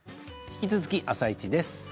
引き続き「あさイチ」です。